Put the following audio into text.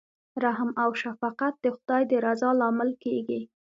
رحم او شفقت د خدای د رضا لامل کیږي.